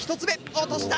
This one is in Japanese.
落とした。